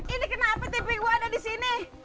ini kenapa tipi gue ada di sini